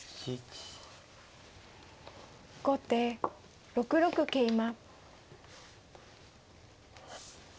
後手６六桂馬。